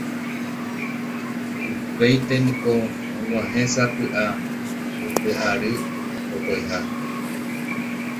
Upéinte niko oguahẽsapy'a upe ary pokõiha